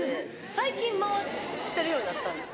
最近回せるようになったんですよ。